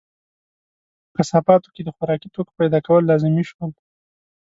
په کثافاتو کې د خوراکي توکو پیدا کول لازمي شول.